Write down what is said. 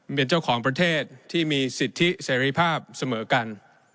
เป็นเจ้าของประเทศที่มีสิทธิเสรีภาพเสมอกัน